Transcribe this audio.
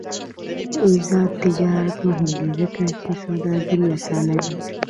آزاد تجارت مهم دی ځکه چې سوداګري اسانوي.